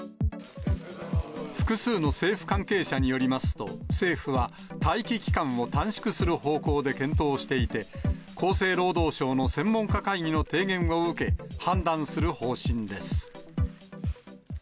複数の政府関係者によりますと、政府は、待機期間を短縮する方向で検討していて、厚生労働省の専門家会議の提言を受け、判断する方針です。